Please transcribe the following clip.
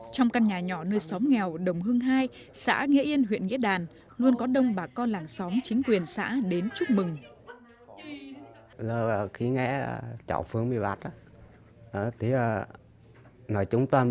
trong căn nhà nhỏ nơi xóm nghèo đồng hưng hai xã nghĩa yên huyện nghĩa đàn luôn có đông bà con làng xóm chính quyền xã đến chúc mừng